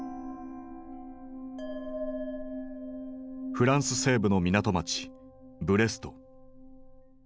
フランス西部の港街ブレスト。